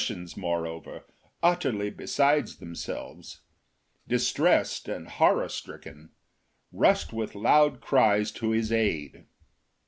1 moreover, utterly beside themselves, distressed and horror stricken, rushed with loud cries to his aid.